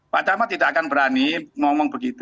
pak camat tidak akan berani ngomong begitu